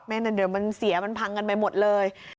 นั่นเดี๋ยวมันเสียมันพังกันไปหมดเลย